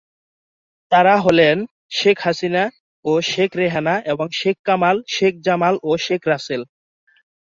তারা হলেন শেখ হাসিনা ও শেখ রেহানা এবং শেখ কামাল, শেখ জামাল ও শেখ রাসেল।